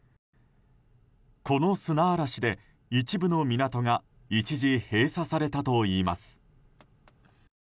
この砂嵐で一部の港が一時、閉鎖されたといいます。